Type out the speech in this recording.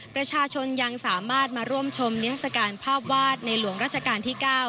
ประชาชนยังสามารถมาร่วมชมนิทัศกาลภาพวาดในหลวงราชการที่๙